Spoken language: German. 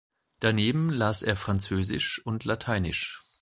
Daneben las er Französisch und Lateinisch.